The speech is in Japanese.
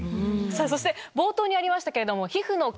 そして冒頭にありましたけれども。